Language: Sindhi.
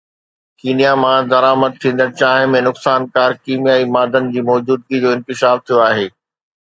ڪينيا مان درآمد ٿيندڙ چانهه ۾ نقصانڪار ڪيميائي مادن جي موجودگي جو انڪشاف ٿيو آهي